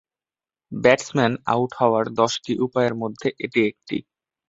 Batsman out হওয়ার দশটি উপায়ের মধ্যে এটি একটি।